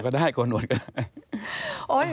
ก็ได้โกนหนวดก็ได้